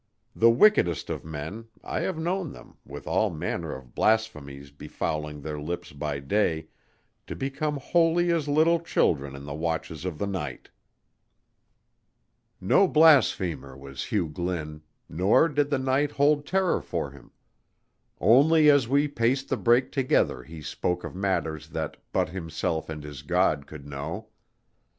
The wickedest of men I have known them, with all manner of blasphemies befouling their lips by day, to become holy as little children in the watches of the night. No blasphemer was Hugh Glynn, nor did the night hold terror for him; only as we paced the break together he spoke of matters that but himself and his God could know.